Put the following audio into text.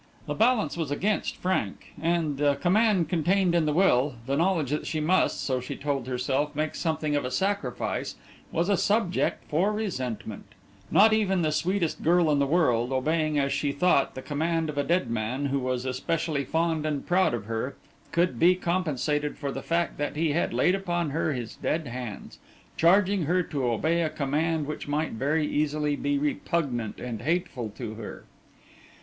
The balance was against Frank, and the command contained in the will, the knowledge that she must, so she told herself, make something of a sacrifice, was a subject for resentment. Not even the sweetest girl in the world, obeying as she thought the command of a dead man, who was especially fond and proud of her, could be compensated for the fact that he had laid upon her his dead hands, charging her to obey a command which might very easily be repugnant and hateful to her.